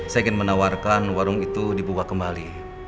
saya ingin menawarkan warung itu dibuka kembali